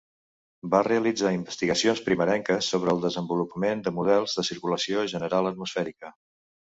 Va realitzar investigacions primerenques sobre el desenvolupament de models de circulació general atmosfèrica.